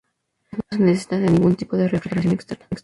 Además, no se necesita de ningún de refrigeración externa.